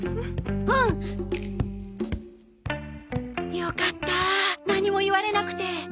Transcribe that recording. よかった何も言われなくて。